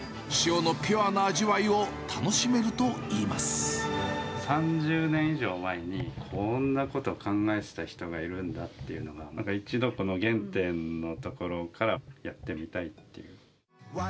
塩のピュアな味わいを楽しめると３０年以上前にこんなことを考えてた人がいるんだっていうのが、一度この原点のところからやってみたいっていう。